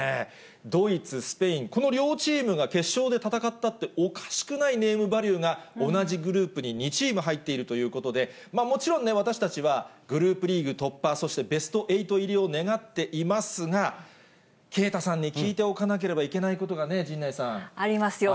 ドイツ、スペイン、この両チームが決勝で戦ったっておかしくないネームバリューが、同じグループに２チーム入っているということで、もちろんね、私たちはグループリーグ突破、そしてベスト８入りを願っていますが、啓太さんに聞いておかなければいけないことがね、陣内さん。ありますよ。